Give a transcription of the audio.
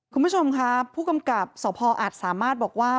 คุณผู้ชมค่ะผู้กำกับสพออาจสามารถบอกว่า